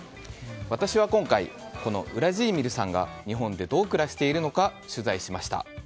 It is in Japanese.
私は今回、ウラジーミルさんが日本でどう暮らしているのか取材しました。